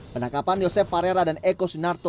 penangkapan yosep parera dan eko sunarto